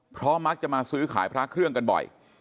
เพราะมักจะมาซื้อขายพระเครื่องกันบ่อย